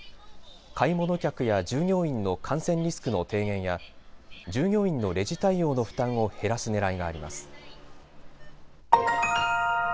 買い物客や従業員の感染リスクの低減や従業員のレジ対応の負担を減らすねらいがあります。